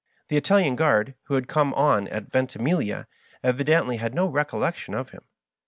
The Italian guard, who had come on at Ventimiglia, evidently had no recollection of him.